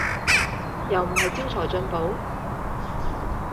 又唔係招財進寶